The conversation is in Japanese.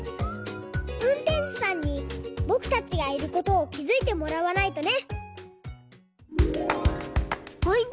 うんてんしゅさんにぼくたちがいることをきづいてもらわないとね！